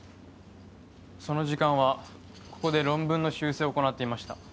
その時間はここで論文の修正を行っていました。